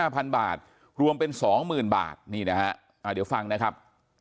พันบาทรวมเป็น๒๐๐๐บาทนี่นะฮะเดี๋ยวฟังนะครับ